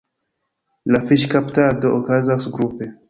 La fiŝkaptado okazas grupe.